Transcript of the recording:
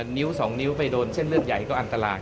นิ้วสองนิ้วไปโดนเช่นเรื่องใหญ่ก็อันตรา